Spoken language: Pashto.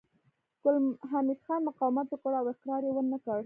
ګل حمید خان مقاومت وکړ او اقرار يې ونه کړ